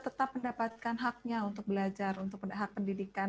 kita pendapatkan haknya untuk belajar untuk hak pendidikan